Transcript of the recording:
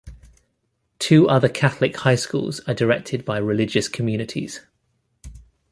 Two other Catholic high schools are directed by religious communities.